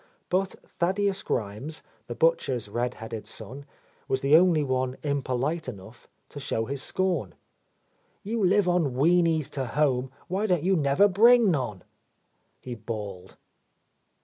But Thaddeus Grimes, the butcher's red headed son, was the only one impolite enough to show his scorn. "You live on wienies to home, why don't you never bring none?" he bawled.